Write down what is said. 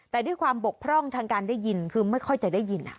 แต่ด้วยความบกพร่องทางการได้ยินคือไม่ค่อยจะได้ยิน